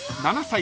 ７歳？